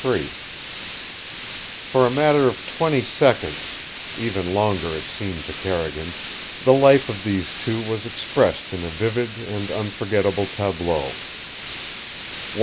III For a matter of twenty seconds even longer it seemed to Carrigan the life of these two was expressed in a vivid and unforgettable tableau.